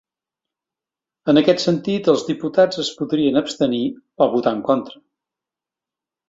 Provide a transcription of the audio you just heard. En aquest sentit, els diputats es podrien abstenir o votar en contra.